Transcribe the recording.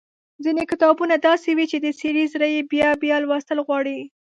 ځينې کتابونه داسې وي چې د سړي زړه يې بيا بيا لوستل غواړي۔